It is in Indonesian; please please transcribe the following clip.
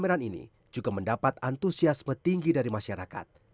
pameran ini juga mendapat antusiasme tinggi dan menarik